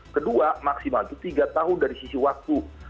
kedua maksimal itu tiga tahun dari sisi waktu